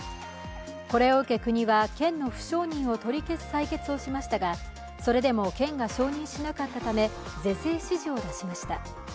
これを受け、国は県の不承認を取り消す裁決をしましたが、それでも県が承認しなかったため是正指示を出しました。